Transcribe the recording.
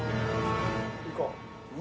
行こう。